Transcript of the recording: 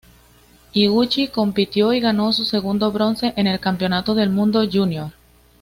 Higuchi compitió y ganó su segundo bronce en el Campeonato del Mundo Júnior.